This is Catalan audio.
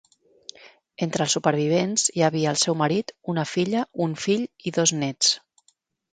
Entre els supervivents hi havia el seu marit, una filla, un fill i dos nets.